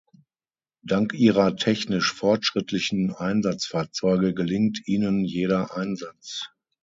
Dank ihrer technisch fortschrittlichen Einsatzfahrzeuge gelingt ihnen jeder Einsatz.